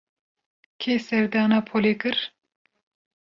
Kê serdana polê kir?